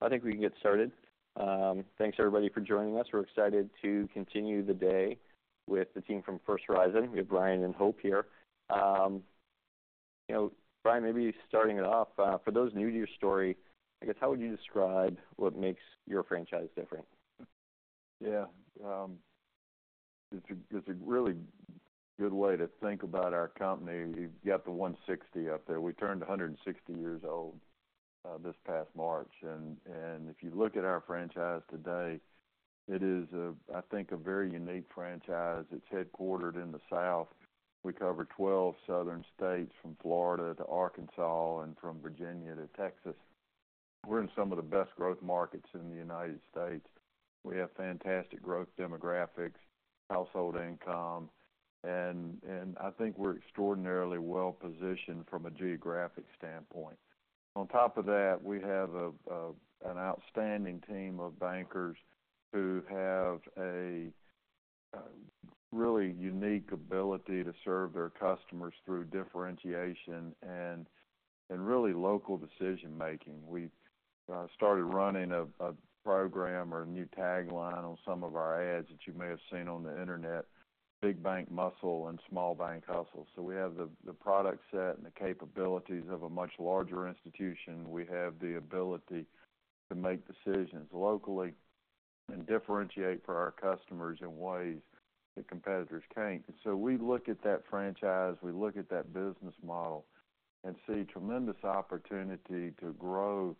Great. I think we can get started. Thanks, everybody, for joining us. We're excited to continue the day with the team from First Horizon. We have Brian and Hope here. You know, Brian, maybe starting it off, for those new to your story, I guess, how would you describe what makes your franchise different? Yeah, it's a really good way to think about our company. You've got the 160 up there. We turned 160 years old this past March, and if you look at our franchise today, it is, I think, a very unique franchise. It's headquartered in the South. We cover 12 southern states, from Florida to Arkansas, and from Virginia to Texas. We're in some of the best growth markets in the United States. We have fantastic growth demographics, household income, and I think we're extraordinarily well-positioned from a geographic standpoint. On top of that, we have an outstanding team of bankers who have a really unique ability to serve their customers through differentiation and really local decision-making. We've started running a program or a new tagline on some of our ads that you may have seen on the internet, "Big bank muscle and small bank hustle." So we have the product set and the capabilities of a much larger institution. We have the ability to make decisions locally and differentiate for our customers in ways that competitors can't. So we look at that franchise, we look at that business model, and see tremendous opportunity to grow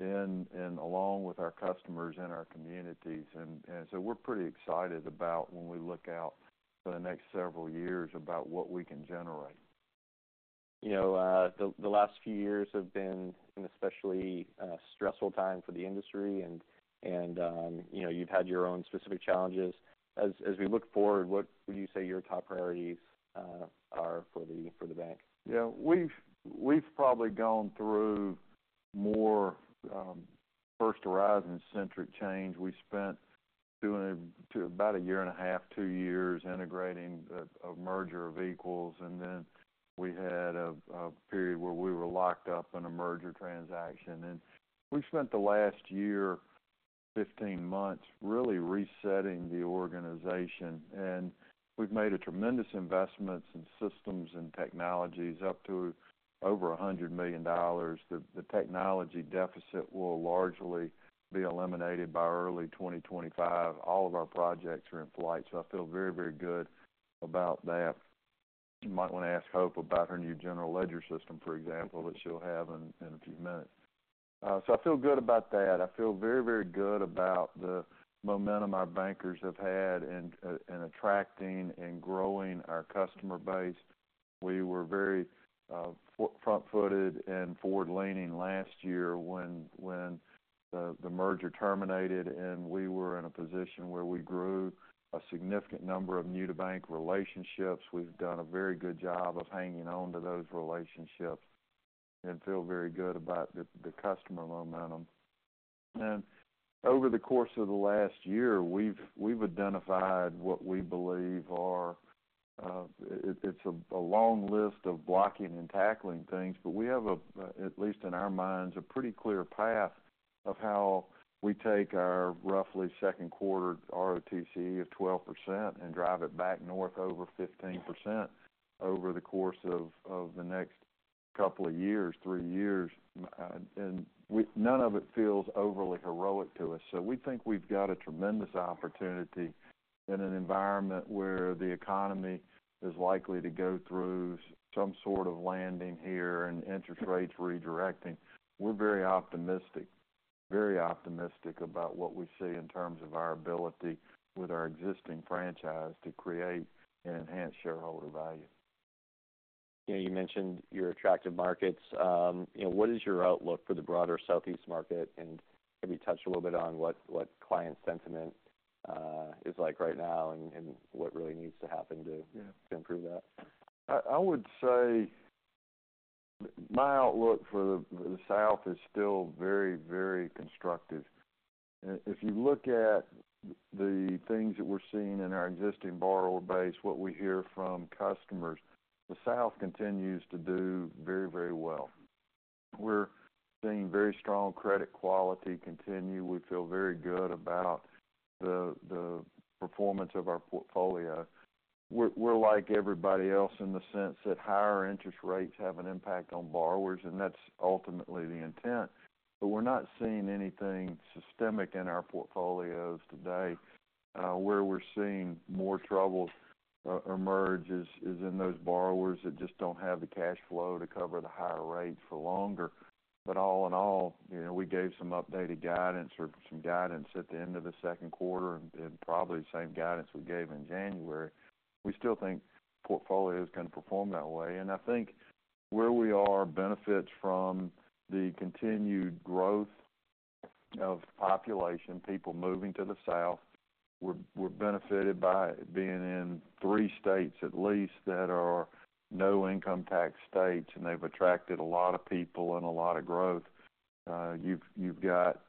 in and along with our customers and our communities. So we're pretty excited about when we look out for the next several years about what we can generate. You know, the last few years have been an especially stressful time for the industry, and, you know, you've had your own specific challenges. As we look forward, what would you say your top priorities are for the bank? Yeah, we've probably gone through more First Horizon-centric change. We spent two and a half to about a year and a half, two years integrating a merger of equals, and then we had a period where we were locked up in a merger transaction. And we've spent the last year, 15 months, really resetting the organization, and we've made a tremendous investments in systems and technologies, up to over $100 million. The technology deficit will largely be eliminated by early 2025. All of our projects are in flight, so I feel very good about that. You might want to ask Hope about her new general ledger system, for example, that she'll have in a few minutes. So I feel good about that. I feel very, very good about the momentum our bankers have had in attracting and growing our customer base. We were very front-footed and forward-leaning last year when the merger terminated, and we were in a position where we grew a significant number of new-to-bank relationships. We've done a very good job of hanging on to those relationships and feel very good about the customer momentum. Then, over the course of the last year, we've identified what we believe are. It's a long list of blocking and tackling things, but we have at least in our minds a pretty clear path of how we take our roughly second quarter ROTCE of 12% and drive it back north over 15% over the course of the next couple of years, three years. None of it feels overly heroic to us. So we think we've got a tremendous opportunity in an environment where the economy is likely to go through some sort of landing here and interest rates redirecting. We're very optimistic, very optimistic about what we see in terms of our ability with our existing franchise to create and enhance shareholder value. You know, you mentioned your attractive markets. You know, what is your outlook for the broader Southeast market? And maybe touch a little bit on what client sentiment is like right now and what really needs to happen to- Yeah To improve that. I would say my outlook for the South is still very, very constructive. If you look at the things that we're seeing in our existing borrower base, what we hear from customers, the South continues to do very, very well. We're seeing very strong credit quality continue. We feel very good about the performance of our portfolio. We're like everybody else in the sense that higher interest rates have an impact on borrowers, and that's ultimately the intent. But we're not seeing anything systemic in our portfolios today. Where we're seeing more trouble emerge is in those borrowers that just don't have the cash flow to cover the higher rates for longer. But all in all, you know, we gave some updated guidance or some guidance at the end of the second quarter and probably the same guidance we gave in January. We still think portfolio is going to perform that way. And I think where we are benefits from the continued growth of population, people moving to the South. We're benefited by being in three states, at least, that are no income tax states, and they've attracted a lot of people and a lot of growth. You've got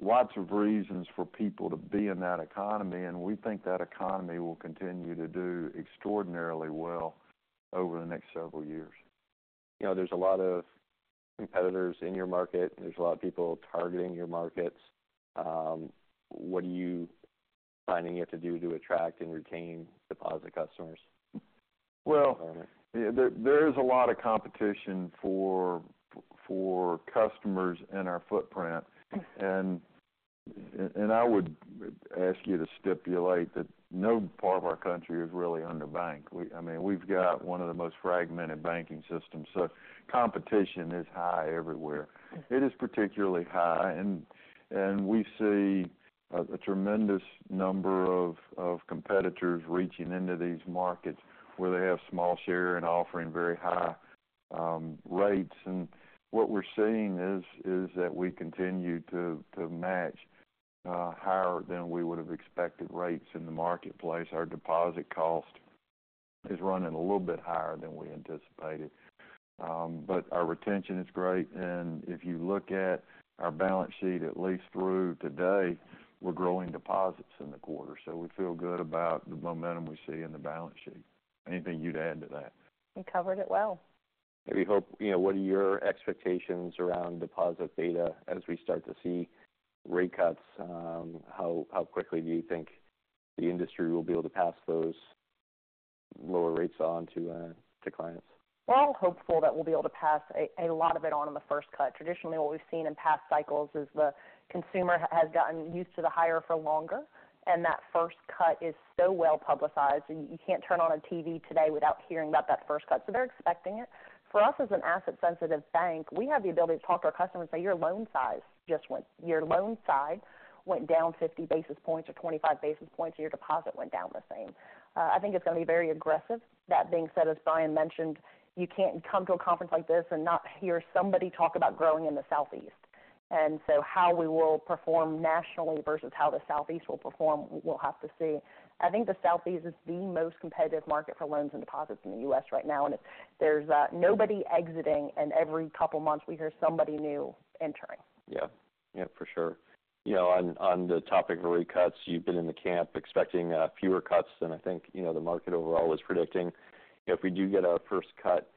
lots of reasons for people to be in that economy, and we think that economy will continue to do extraordinarily well over the next several years. You know, there's a lot of competitors in your market, there's a lot of people targeting your markets. What are you finding you have to do to attract and retain deposit customers? There is a lot of competition for customers in our footprint, and I would ask you to stipulate that no part of our country is really underbanked. I mean, we've got one of the most fragmented banking systems, so competition is high everywhere. It is particularly high, and we see a tremendous number of competitors reaching into these markets where they have small share and offering very high rates, and what we're seeing is that we continue to match higher than we would have expected rates in the marketplace. Our deposit cost is running a little bit higher than we anticipated, but our retention is great, and if you look at our balance sheet, at least through today, we're growing deposits in the quarter, so we feel good about the momentum we see in the balance sheet. Anything you'd add to that? You covered it well. Maybe Hope, you know, what are your expectations around deposit beta as we start to see rate cuts? How quickly do you think the industry will be able to pass those lower rates on to clients? Hopeful that we'll be able to pass a lot of it on in the first cut. Traditionally, what we've seen in past cycles is the consumer has gotten used to the higher for longer, and that first cut is so well-publicized, and you can't turn on a TV today without hearing about that first cut, so they're expecting it. For us, as an asset-sensitive bank, we have the ability to talk to our customers and say, "Your loan side went down fifty basis points or twenty-five basis points, and your deposit went down the same." I think it's going to be very aggressive. That being said, as Brian mentioned, you can't come to a conference like this and not hear somebody talk about growing in the Southeast. And so how we will perform nationally versus how the Southeast will perform, we'll have to see. I think the Southeast is the most competitive market for loans and deposits in the U.S. right now, and there's nobody exiting, and every couple of months, we hear somebody new entering. Yeah. Yeah, for sure. You know, on the topic of rate cuts, you've been in the camp expecting fewer cuts than I think, you know, the market overall is predicting. If we do get our first cut,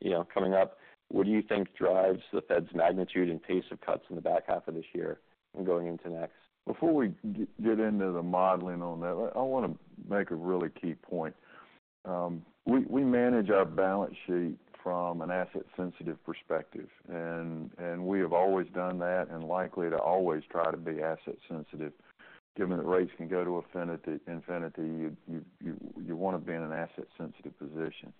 you know, coming up, what do you think drives the Fed's magnitude and pace of cuts in the back half of this year and going into next? Before we get into the modeling on that, I want to make a really key point. We manage our balance sheet from an asset-sensitive perspective, and we have always done that and likely to always try to be asset sensitive. Given that rates can go to any to infinity, you want to be in an asset-sensitive position.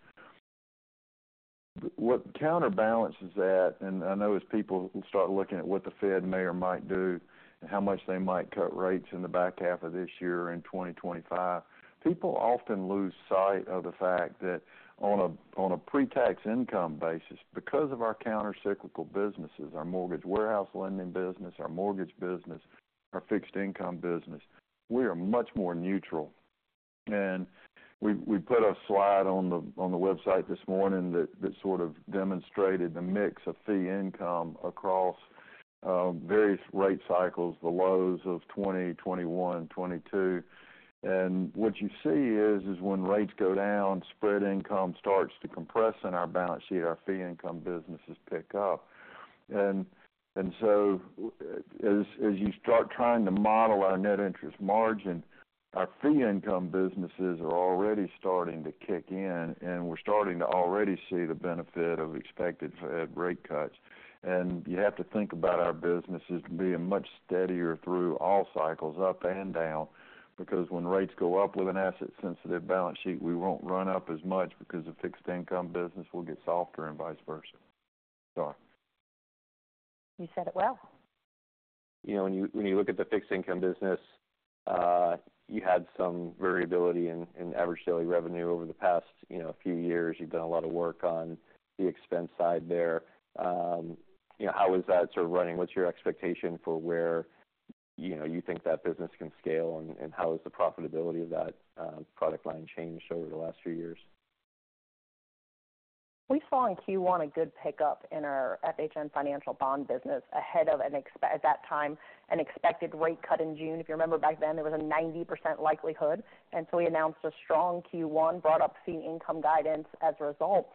What counterbalances that, and I know as people start looking at what the Fed may or might do and how much they might cut rates in the back half of this year, in 2025, people often lose sight of the fact that on a pre-tax income basis, because of our countercyclical businesses, our mortgage warehouse lending business, our mortgage business, our fixed income business, we are much more neutral. We put a slide on the website this morning that sort of demonstrated the mix of fee income across various rate cycles, the lows of 2020, 2021, 2022. What you see is when rates go down, spread income starts to compress in our balance sheet. Our fee income businesses pick up. As you start trying to model our net interest margin, our fee income businesses are already starting to kick in, and we're starting to already see the benefit of expected Fed rate cuts. You have to think about our businesses being much steadier through all cycles, up and down, because when rates go up with an asset-sensitive balance sheet, we won't run up as much because the fixed income business will get softer and vice versa. You said it well. You know, when you, when you look at the fixed income business, you had some variability in average daily revenue over the past, you know, few years. You've done a lot of work on the expense side there. You know, how is that sort of running? What's your expectation for where, you know, you think that business can scale, and how has the profitability of that product line changed over the last few years? We saw in Q1 a good pickup in our FHN Financial bond business ahead of an expected rate cut in June at that time. If you remember back then, there was a 90% likelihood, and so we announced a strong Q1, brought up fee income guidance as a result.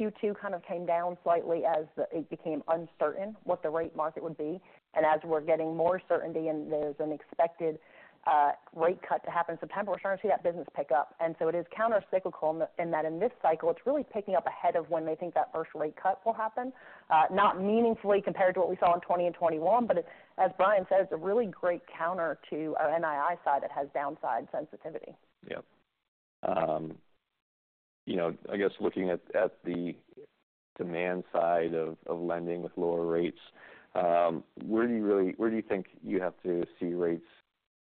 Q2 kind of came down slightly as it became uncertain what the rate market would be, and as we're getting more certainty and there's an expected rate cut to happen in September, we're starting to see that business pick up. And so it is countercyclical in that in this cycle, it's really picking up ahead of when they think that first rate cut will happen. Not meaningfully compared to what we saw in 2020 and 2021, but as Brian says, a really great counter to our NII side that has downside sensitivity. Yeah. You know, I guess, looking at the demand side of lending with lower rates, where do you think you have to see rates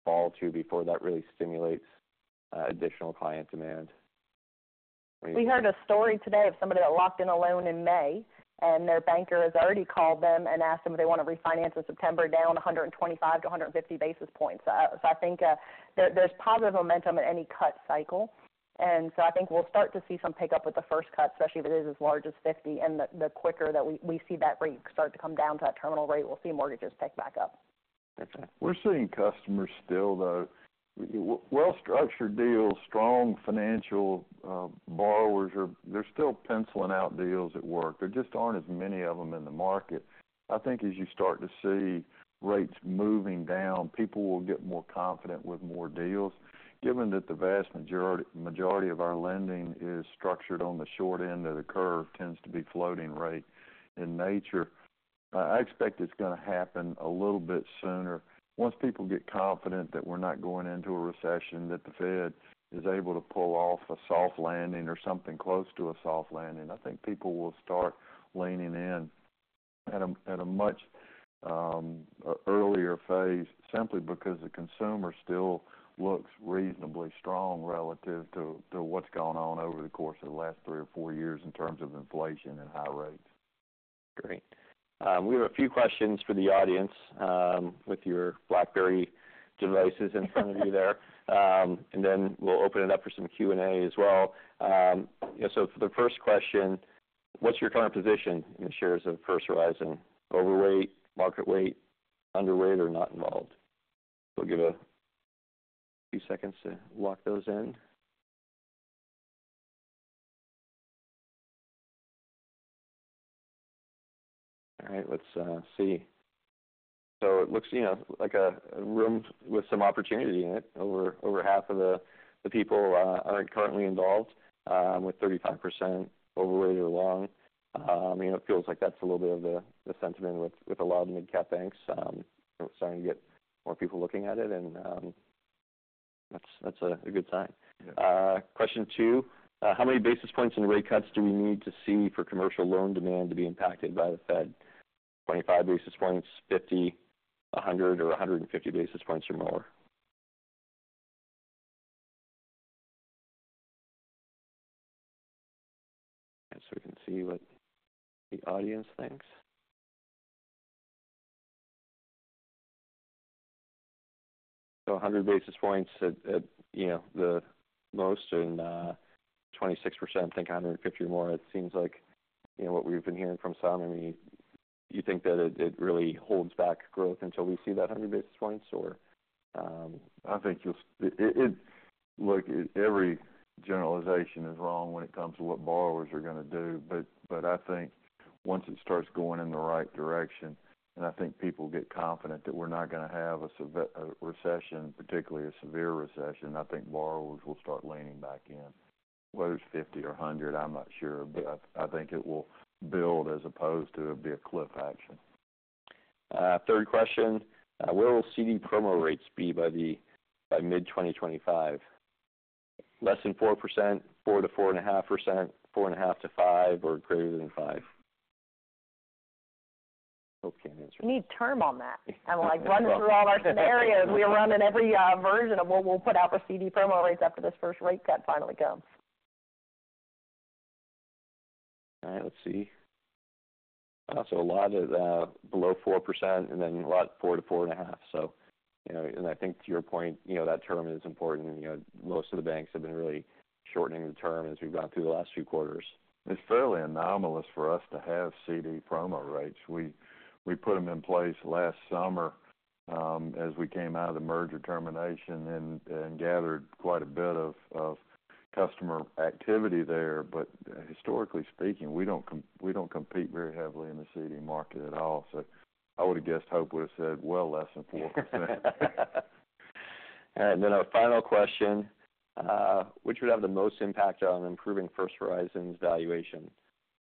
fall to before that really stimulates additional client demand? We heard a story today of somebody that locked in a loan in May, and their banker has already called them and asked them if they want to refinance in September, down 125 to 150 basis points. So I think, there's positive momentum in any cut cycle, and so I think we'll start to see some pickup with the first cut, especially if it is as large as 50. And the quicker that we see that rate start to come down to that terminal rate, we'll see mortgages pick back up.... We're seeing customers still, though, well-structured deals, strong financial borrowers are-- they're still penciling out deals at work. There just aren't as many of them in the market. I think as you start to see rates moving down, people will get more confident with more deals. Given that the vast majority of our lending is structured on the short end of the curve, tends to be floating rate in nature, I expect it's going to happen a little bit sooner. Once people get confident that we're not going into a recession, that the Fed is able to pull off a soft landing or something close to a soft landing, I think people will start leaning in at a much earlier phase, simply because the consumer still looks reasonably strong relative to what's gone on over the course of the last three or four years in terms of inflation and high rates. Great. We have a few questions for the audience, with your BlackBerry devices in front of you there. And then we'll open it up for some Q&A as well. You know, so for the first question: What's your current position in the shares of First Horizon? Overweight, market weight, underweight, or not involved? We'll give a few seconds to lock those in. All right, let's see. So it looks, you know, like a room with some opportunity in it. Over half of the people are currently involved, with 35% overweight or long. You know, it feels like that's a little bit of the sentiment with a lot of midcap banks. We're starting to get more people looking at it, and that's a good sign. Yeah. Question two: How many basis points and rate cuts do we need to see for commercial loan demand to be impacted by the Fed? Twenty-five basis points, fifty, a hundred, or a hundred and fifty basis points or more? Just so we can see what the audience thinks. So a hundred basis points at the most and 26% think a hundred and fifty or more. It seems like, you know, what we've been hearing from Simon. I mean, you think that it really holds back growth until we see that hundred basis points or I think you'll. Look, every generalization is wrong when it comes to what borrowers are going to do. But I think once it starts going in the right direction, and I think people get confident that we're not going to have a severe recession, particularly a severe recession, I think borrowers will start leaning back in. Whether it's fifty or a hundred, I'm not sure, but I think it will build as opposed to it be a cliff action. Third question: Where will CD promo rates be by mid-2025? Less than 4%, 4%-4.5%, 4.5%-5%, or greater than 5%? Okay, answer. We need term on that, and like, run through all our scenarios. We're running every version of what we'll put out for CD promo rates after this first rate cut finally comes. All right, let's see. So a lot of below 4%, and then a lot 4%-4.5%. So, you know, and I think to your point, you know, that term is important. You know, most of the banks have been really shortening the term as we've gone through the last few quarters. It's fairly anomalous for us to have CD promo rates. We put them in place last summer, as we came out of the merger termination and gathered quite a bit of customer activity there. But historically speaking, we don't compete very heavily in the CD market at all. So I would have guessed Hope would have said, well, less than 4%. Then our final question: Which would have the most impact on improving First Horizon's valuation?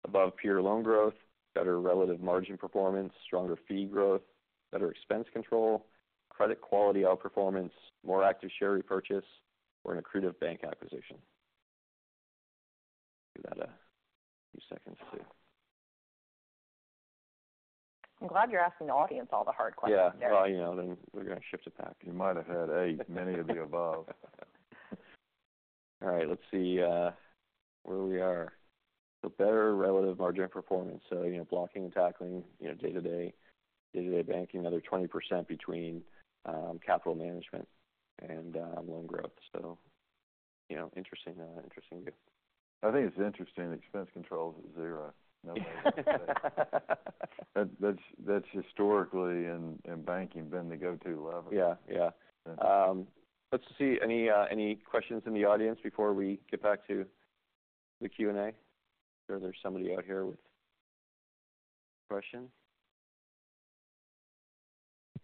Above-peer loan growth, better relative margin performance, stronger fee growth, better expense control, credit quality outperformance, more active share repurchase, or an accretive bank acquisition. Give that a few seconds to... I'm glad you're asking the audience all the hard questions. Yeah, well, you know, then we're going to shift it back. You might have had A, many of the above. All right, let's see, where we are. So better relative margin performance. So, you know, blocking and tackling, you know, day-to-day, day-to-day banking, another 20% between, capital management and, loan growth. So, you know, interesting, interesting view. I think it's interesting, expense control is zero. That's historically in banking been the go-to level. Yeah. Yeah. Yeah. Let's see. Any questions in the audience before we get back to the Q&A? I'm sure there's somebody out here with a question.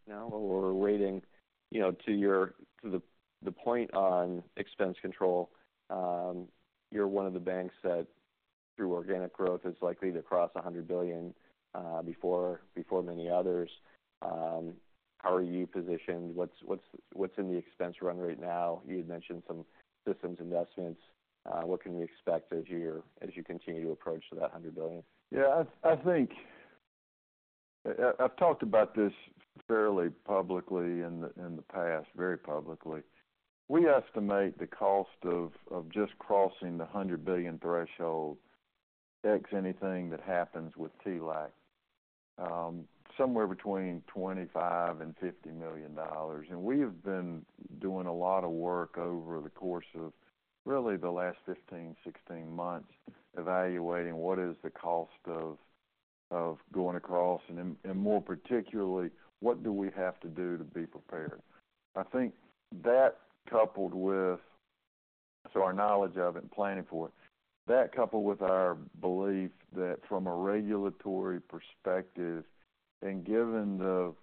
No? While we're waiting, you know, to the point on expense control, you're one of the banks that, through organic growth, is likely to cross $100 billion before many others. How are you positioned? What's in the expense run right now? You had mentioned some systems investments. What can we expect as you continue to approach that $100 billion? Yeah, I think I've talked about this fairly publicly in the past, very publicly. We estimate the cost of just crossing the $100 billion threshold, plus anything that happens with TLAC, somewhere between $25 million and $50 million. And we have been doing a lot of work over the course of really the last 15, 16 months, evaluating what is the cost of going across, and then, more particularly, what do we have to do to be prepared? I think that, coupled with our knowledge of it and planning for it. That, coupled with our belief that from a regulatory perspective, and given the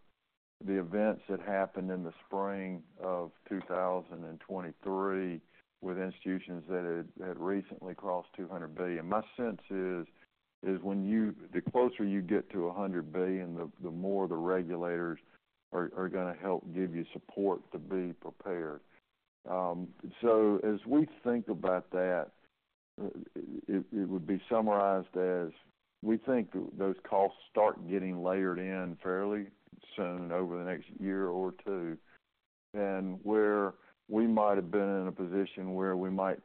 events that happened in the spring of 2023 with institutions that had recently crossed 200 billion. My sense is the closer you get to $100 billion, the more the regulators are going to help give you support to be prepared, so as we think about that, it would be summarized as we think those costs start getting layered in fairly soon, over the next year or two, and where we might have been in a position where we might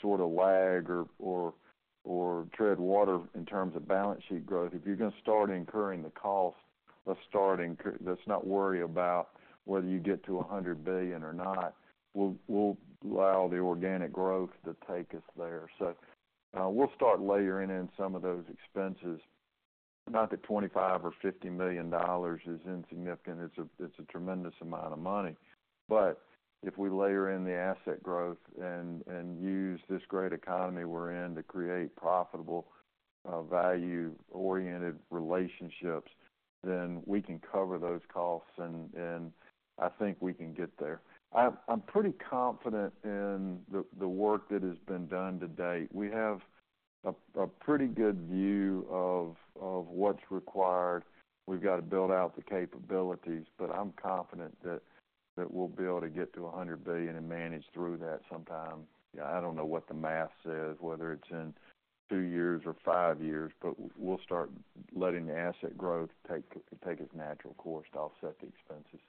sort of lag or tread water in terms of balance sheet growth, if you're going to start incurring the cost of starting, let's not worry about whether you get to $100 billion or not, we'll allow the organic growth to take us there, so we'll start layering in some of those expenses. Not that $25 million or $50 million is insignificant, it's a tremendous amount of money. But if we layer in the asset growth and use this great economy we're in to create profitable value-oriented relationships, then we can cover those costs, and I think we can get there. I'm pretty confident in the work that has been done to date. We have a pretty good view of what's required. We've got to build out the capabilities, but I'm confident that we'll be able to get to $100 billion and manage through that sometime. I don't know what the math says, whether it's in two years or five years, but we'll start letting the asset growth take its natural course to offset the expenses.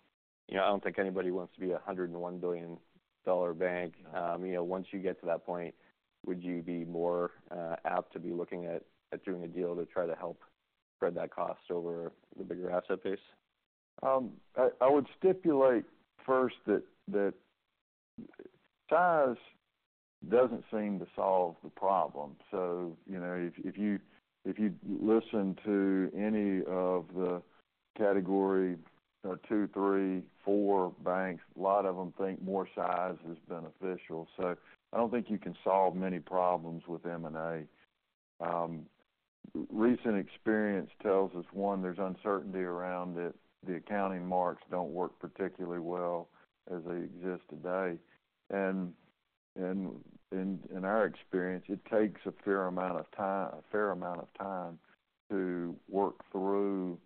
Yeah, I don't think anybody wants to be a $101 billion bank. You know, once you get to that point, would you be more apt to be looking at doing a deal to try to help spread that cost over the bigger asset base? I would stipulate first that size doesn't seem to solve the problem. So, you know, if you listen to any of the Category II, III, IV banks, a lot of them think more size is beneficial. So I don't think you can solve many problems with M&A. Recent experience tells us, one, there's uncertainty around it. The accounting marks don't work particularly well as they exist today. And in our experience, it takes a fair amount of time to work through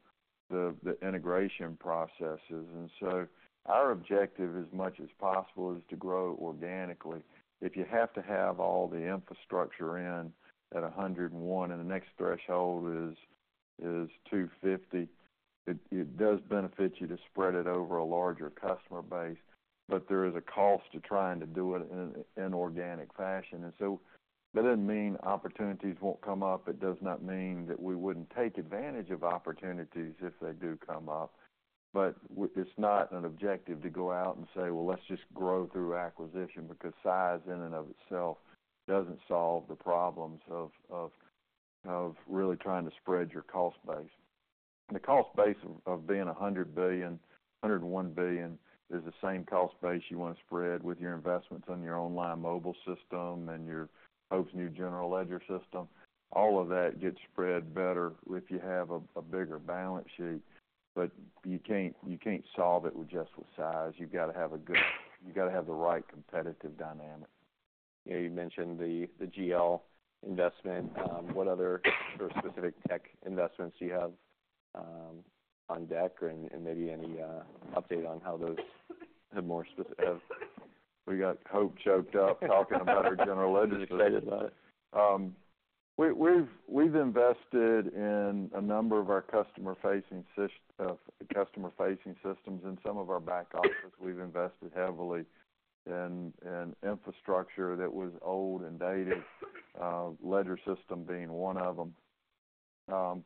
the integration processes. And so our objective, as much as possible, is to grow organically. If you have to have all the infrastructure in at $101 billion, and the next threshold is 250, it does benefit you to spread it over a larger customer base, but there is a cost to trying to do it in organic fashion. And so that doesn't mean opportunities won't come up. It does not mean that we wouldn't take advantage of opportunities if they do come up. But it's not an objective to go out and say, "Well, let's just grow through acquisition," because size, in and of itself, doesn't solve the problems of really trying to spread your cost base. The cost base of being $100 billion, $101 billion, is the same cost base you want to spread with your investments on your online mobile system and your Hope's new general ledger system. All of that gets spread better if you have a bigger balance sheet, but you can't solve it with just size. You've got to have the right competitive dynamic. Yeah, you mentioned the GL investment. What other sort of specific tech investments do you have on deck or and maybe any update on how those have more spec- have- We got Hope choked up talking about her general ledger system. Excited about it. We've invested in a number of our customer-facing systems, and some of our back office. We've invested heavily in infrastructure that was old and dated, ledger system being one of them.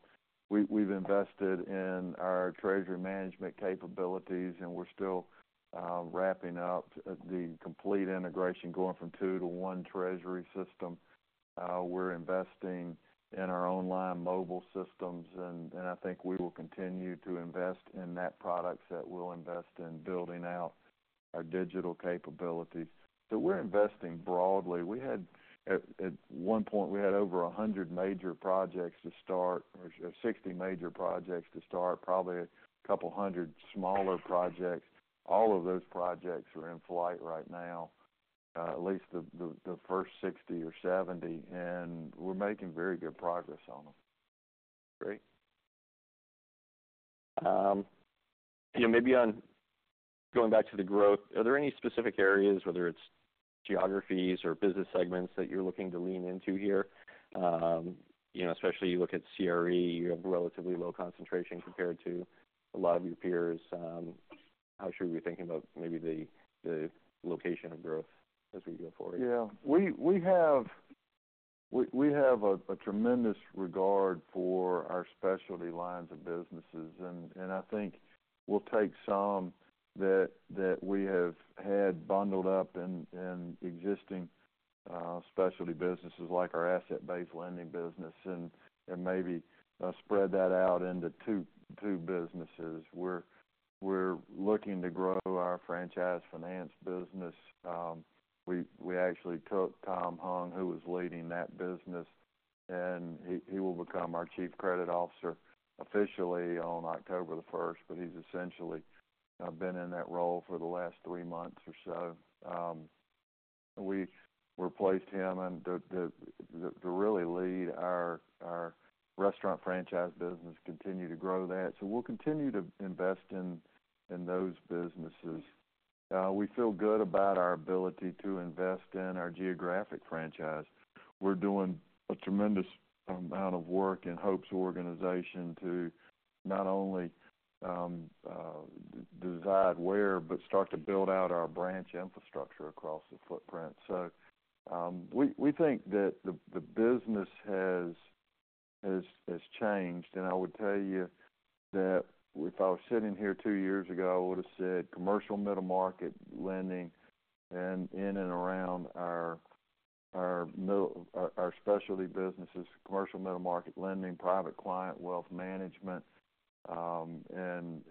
We've invested in our treasury management capabilities, and we're still wrapping up the complete integration, going from two to one treasury system. We're investing in our online mobile systems, and I think we will continue to invest in that product, that we'll invest in building out our digital capabilities. So we're investing broadly. At one point, we had over a hundred major projects to start, or sixty major projects to start, probably a couple hundred smaller projects. All of those projects are in flight right now, at least the first sixty or seventy, and we're making very good progress on them. Great. Yeah, maybe on going back to the growth, are there any specific areas, whether it's geographies or business segments, that you're looking to lean into here? You know, especially you look at CRE, you have relatively low concentration compared to a lot of your peers. How should we be thinking about maybe the location of growth as we go forward? Yeah. We have a tremendous regard for our specialty lines of businesses, and I think we'll take some that we have had bundled up in existing specialty businesses, like our asset-based lending business, and maybe spread that out into two businesses. We're looking to grow our franchise finance business. We actually took Tan Ong, who was leading that business, and he will become our chief credit officer officially on October the 1st, but he's essentially been in that role for the last three months or so. We replaced him and to really lead our restaurant franchise business, continue to grow that. So we'll continue to invest in those businesses. We feel good about our ability to invest in our geographic franchise. We're doing a tremendous amount of work in Hope's organization to not only decide where, but start to build out our branch infrastructure across the footprint, so we think that the business has changed, and I would tell you that if I was sitting here two years ago, I would've said commercial middle market lending and in and around our specialty businesses, commercial middle market lending, private client wealth management, and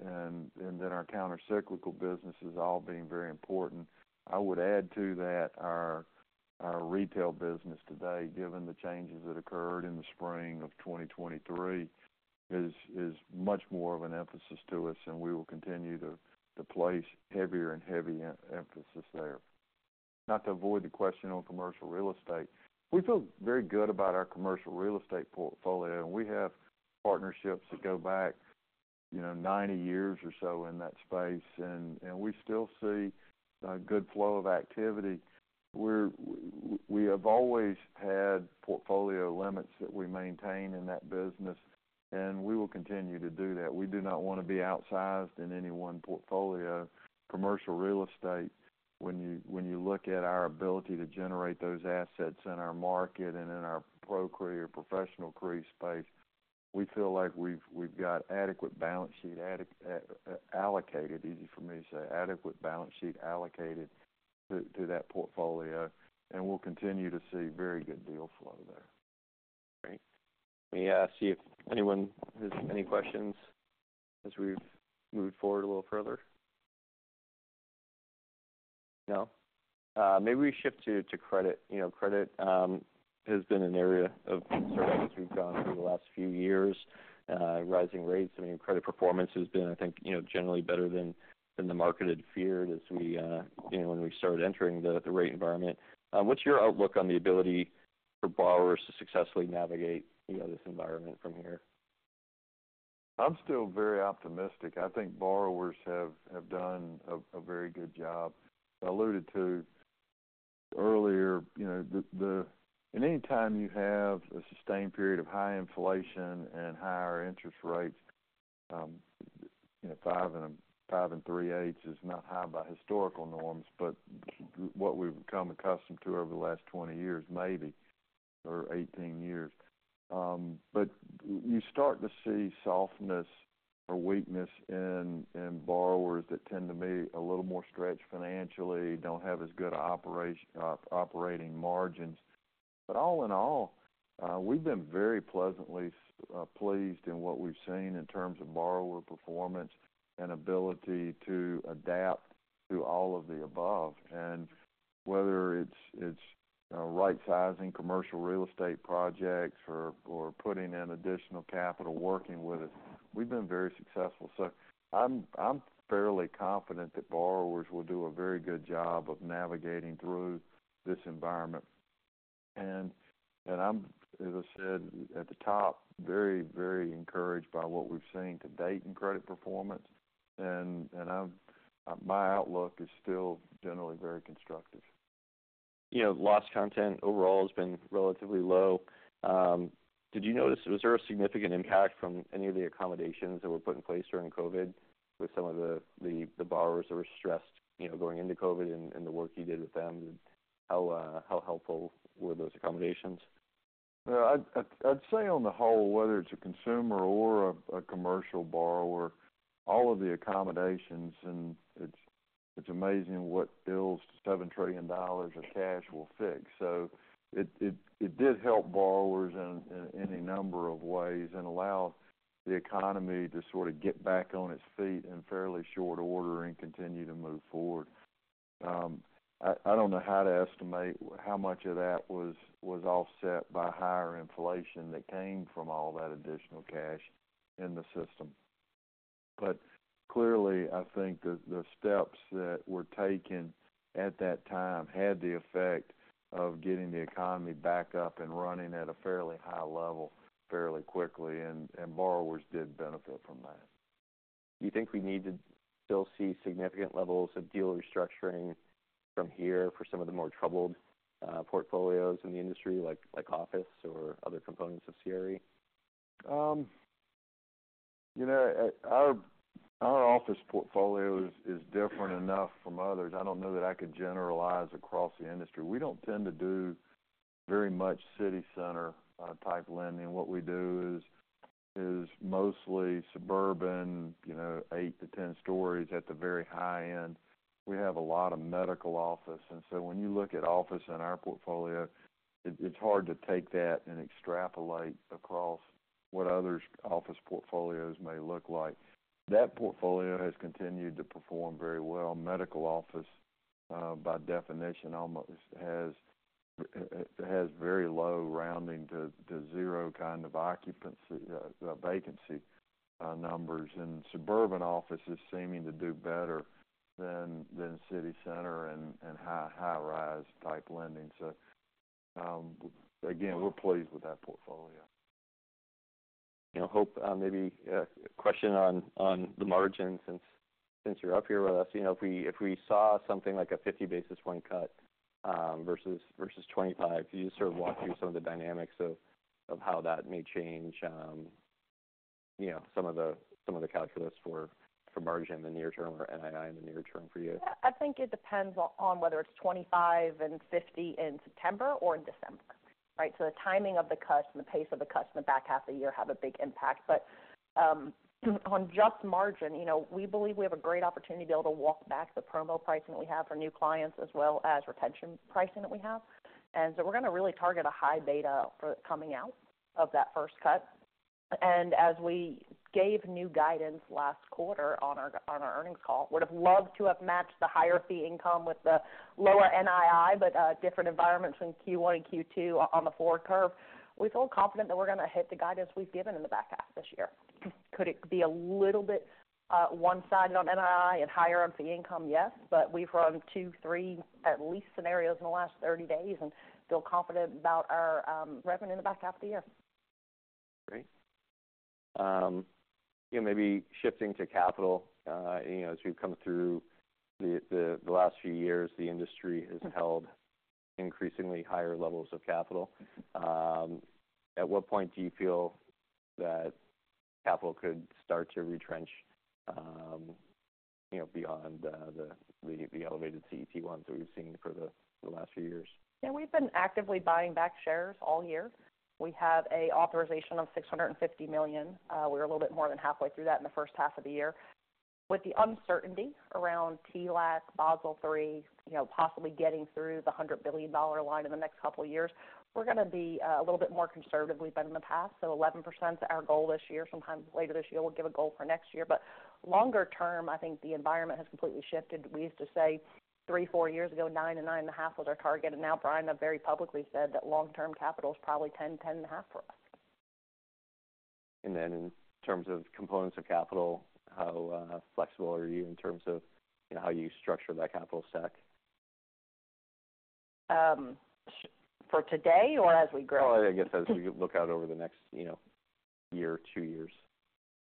then our countercyclical businesses all being very important. I would add to that our retail business today, given the changes that occurred in the spring of 2023, is much more of an emphasis to us, and we will continue to place heavier and heavier emphasis there. Not to avoid the question on commercial real estate, we feel very good about our commercial real estate portfolio. We have partnerships that go back, you know, ninety years or so in that space, and we still see a good flow of activity. We have always had portfolio limits that we maintain in that business, and we will continue to do that. We do not want to be outsized in any one portfolio. Commercial real estate, when you look at our ability to generate those assets in our market and in our professional career space, we feel like we've got adequate balance sheet allocated, easy for me to say, adequate balance sheet allocated to that portfolio, and we'll continue to see very good deal flow there. Great. Let me ask you if anyone has any questions as we've moved forward a little further? No. Maybe we shift to credit. You know, credit has been an area of concern as we've gone through the last few years. Rising rates, I mean, credit performance has been, I think, you know, generally better than the marketed fear as we, you know, when we started entering the rate environment. What's your outlook on the ability for borrowers to successfully navigate, you know, this environment from here? I'm still very optimistic. I think borrowers have done a very good job. I alluded to earlier, you know, the, and anytime you have a sustained period of high inflation and higher interest rates, you know, five and three-eighths is not high by historical norms, but what we've become accustomed to over the last 20 years, maybe, or 18 years. But you start to see softness or weakness in borrowers that tend to be a little more stretched financially, don't have as good operating margins. But all in all, we've been very pleasantly pleased in what we've seen in terms of borrower performance and ability to adapt to all of the above, and whether it's, you know, right-sizing commercial real estate projects or putting in additional capital, working with us, we've been very successful. So I'm fairly confident that borrowers will do a very good job of navigating through this environment. And I'm, as I said at the top, very, very encouraged by what we've seen to date in credit performance, and my outlook is still generally very constructive. You know, loss content overall has been relatively low. Did you notice, was there a significant impact from any of the accommodations that were put in place during COVID with some of the borrowers that were stressed, you know, going into COVID and the work you did with them? How, how helpful were those accommodations? I'd say on the whole, whether it's a consumer or a commercial borrower, all of the accommodations, and it's amazing what $7 trillion of cash will fix. It did help borrowers in any number of ways and allowed the economy to sort of get back on its feet in fairly short order and continue to move forward. I don't know how to estimate how much of that was offset by higher inflation that came from all that additional cash in the system. Clearly, I think that the steps that were taken at that time had the effect of getting the economy back up and running at a fairly high level, fairly quickly, and borrowers did benefit from that. Do you think we need to still see significant levels of deal restructuring from here for some of the more troubled portfolios in the industry, like office or other components of CRE?... You know, our office portfolio is different enough from others. I don't know that I could generalize across the industry. We don't tend to do very much city center type lending. What we do is mostly suburban, you know, eight to 10 stories at the very high end. We have a lot of medical office, and so when you look at office in our portfolio, it's hard to take that and extrapolate across what other office portfolios may look like. That portfolio has continued to perform very well. Medical office, by definition, almost, has it has very low rounding to zero kind of occupancy vacancy numbers, and suburban offices seeming to do better than city center and high-rise type lending. So, again, we're pleased with that portfolio. You know, Hope, maybe a question on the margin since you're up here with us. You know, if we saw something like a 50 basis point cut versus 25, can you just sort of walk through some of the dynamics of how that may change, you know, some of the calculus for margin in the near term or NII in the near term for you? Yeah, I think it depends on whether it's 25 and 50 in September or in December, right? So the timing of the cuts and the pace of the cuts in the back half of the year have a big impact. But on just margin, you know, we believe we have a great opportunity to be able to walk back the promo pricing we have for new clients, as well as retention pricing that we have. And so we're gonna really target a high beta for coming out of that first cut. And as we gave new guidance last quarter on our earnings call, would've loved to have matched the higher fee income with the lower NII, but different environments in Q1 and Q2 on the forward curve. We feel confident that we're gonna hit the guidance we've given in the back half this year. Could it be a little bit, one-sided on NII and higher on fee income? Yes, but we've run two, three at least scenarios in the last thirty days and feel confident about our revenue in the back half of the year. Great. Yeah, maybe shifting to capital. You know, as we've come through the last few years, the industry has held increasingly higher levels of capital. At what point do you feel that capital could start to retrench, you know, beyond the elevated CET1 that we've seen for the last few years? Yeah, we've been actively buying back shares all year. We have a authorization of $650 million. We're a little bit more than halfway through that in the first half of the year. With the uncertainty around TLAC, Basel III, you know, possibly getting through the $100 billion line in the next couple of years, we're gonna be a little bit more conservative than we've been in the past. So 11% is our goal this year. Sometime later this year, we'll give a goal for next year. But longer term, I think the environment has completely shifted. We used to say, three, four years ago, 9% to 9.5% was our target, and now Brian has very publicly said that long-term capital is probably 10% to 10.5% for us. In terms of components of capital, how flexible are you in terms of, you know, how you structure that capital stack? For today or as we grow? Oh, I guess as we look out over the next, you know, year, two years.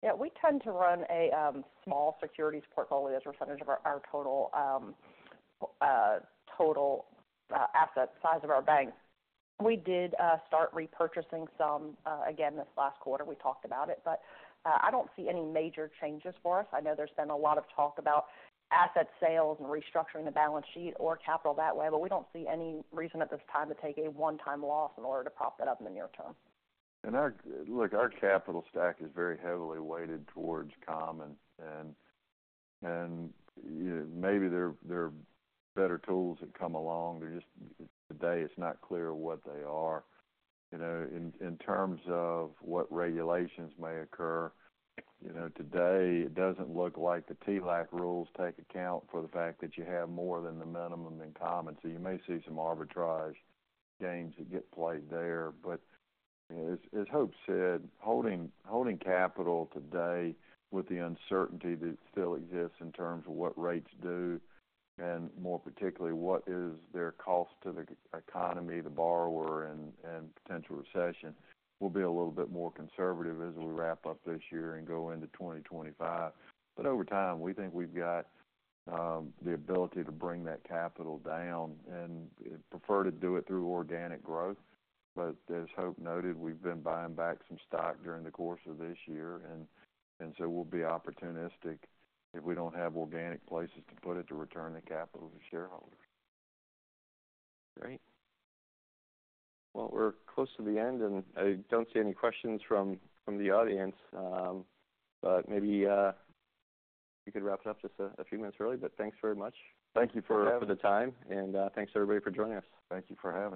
Yeah, we tend to run a small securities portfolio as a percentage of our total asset size of our bank. We did start repurchasing some again, this last quarter. We talked about it, but I don't see any major changes for us. I know there's been a lot of talk about asset sales and restructuring the balance sheet or capital that way, but we don't see any reason at this time to take a one-time loss in order to prop it up in the near term. Look, our capital stack is very heavily weighted towards common, and you know, maybe there are better tools that come along, they're just... Today, it's not clear what they are. You know, in terms of what regulations may occur, you know, today, it doesn't look like the TLAC rules take account for the fact that you have more than the minimum in common, so you may see some arbitrage games that get played there. But you know, as Hope said, holding capital today with the uncertainty that still exists in terms of what rates do, and more particularly, what is their cost to the economy, the borrower, and potential recession, we'll be a little bit more conservative as we wrap up this year and go into 2025. But over time, we think we've got the ability to bring that capital down and prefer to do it through organic growth. But as Hope noted, we've been buying back some stock during the course of this year, and so we'll be opportunistic if we don't have organic places to put it to return the capital to shareholders. Great. Well, we're close to the end, and I don't see any questions from the audience. But maybe you could wrap it up just a few minutes early, but thanks very much. Thank you for the time, and thanks, everybody for joining us. Thank you for having us.